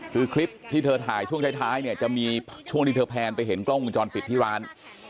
คือคลิปที่เธอถ่ายช่วงท้ายเนี่ยจะมีช่วงที่เธอแพนไปเห็นกล้องวงจรปิดที่ร้าน